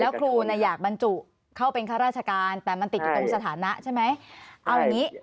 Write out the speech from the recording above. แล้วครูอยากบรรจุเข้าเป็นข้าราชการแต่มันติดอยู่ตรงสถานะใช่ไหมเอาอย่างนี้